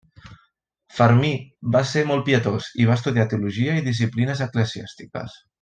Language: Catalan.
Fermí va fer-se molt pietós i va estudiar teologia i disciplines eclesiàstiques.